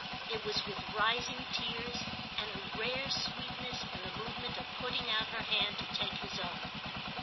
It was with rising tears and a rare sweetness in the movement of putting out her hand to take his own.